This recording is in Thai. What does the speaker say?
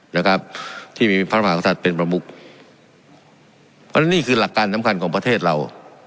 นะครับที่มีพระมหากษัตริย์เป็นประมุขเพราะฉะนั้นนี่คือหลักการสำคัญของประเทศเรา